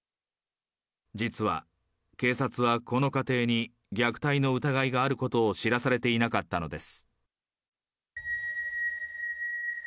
実は、警察はこの家庭に虐待の疑いがあることを知らされていなかったのです。